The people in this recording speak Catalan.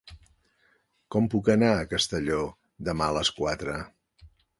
Com puc anar a Castelló demà a les quatre?